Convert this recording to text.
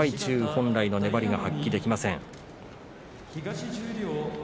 本来の粘りを発揮できていません。